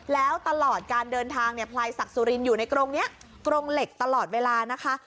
แล้วตลอดการเดินทางเนี่ยพลายศักดิ์สุรินอยู่ในกรงนี้กรงเหล็กตลอดเวลานะคะ